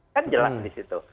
kan jelas di situ